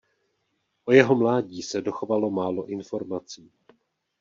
O jeho mládí se dochovalo málo informací.